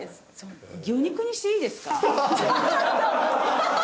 魚肉にしていいですか？